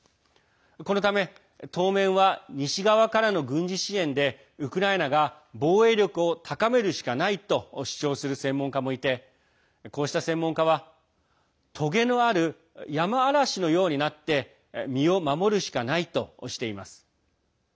このため、当面は西側からの軍事支援でウクライナが防衛力を高めるしかないと主張する専門家もいてこうした専門家は、とげのあるヤマアラシのようになって身を守るしかないとしています。